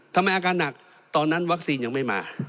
อาการหนักตอนนั้นวัคซีนยังไม่มา